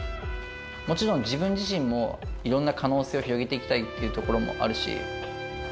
もちろん自分自身も、いろんな可能性を広げていきたいっていうところもあるし。